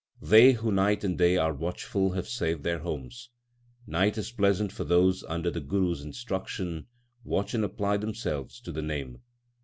They who night and day are watchful have saved their homes. Night is pleasant for those who under the Guru s instruc tion watch and apply themselves to the Name.